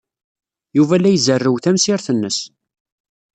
Yuba la izerrew tamsirt-nnes.